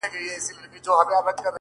• زما د زړه د كـور ډېـوې خلگ خبــري كوي؛